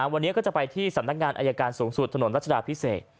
วันนี้ก็จะไปที่สำนักงานอายการสูงสุดถนนรัชดาพิเศษ